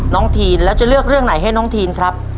ทีนแล้วจะเลือกเรื่องไหนให้น้องทีนครับ